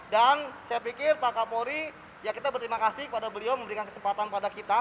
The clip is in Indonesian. dan saya pikir pak kapolri ya kita berterima kasih kepada beliau memberikan kesempatan pada kita